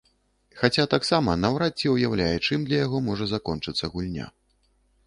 Хаця таксама наўрад ці ўяўляе, чым для яго можа закончыцца гульня.